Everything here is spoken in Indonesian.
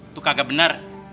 itu kagak bener